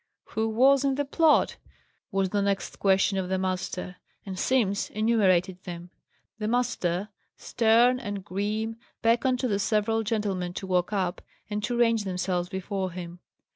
"Who was in the plot?" was the next question of the master. And Simms enumerated them. The master, stern and grim, beckoned to the several gentlemen to walk up, and to range themselves before him.